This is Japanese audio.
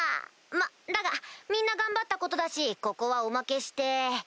まっだがみんな頑張ったことだしここはおまけして。